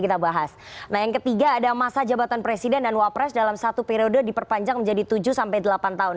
nah yang ketiga ada masa jabatan presiden dan wapres dalam satu periode diperpanjang menjadi tujuh sampai delapan tahun